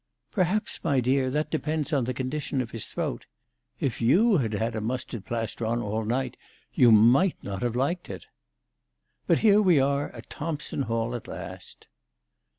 " Perhaps, my dear, that depends on the condition of his throat. If you had had a mustard plaster on all night, you might not have liked it. But here we are at Thompson Hall at last."